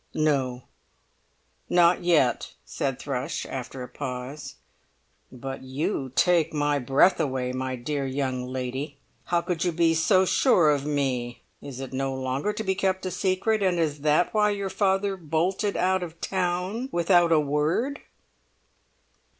"No; not yet," said Thrush, after a pause. "But you take my breath away, my dear young lady! How could you be so sure of me? Is it no longer to be kept a secret, and is that why your father bolted out of town without a word?"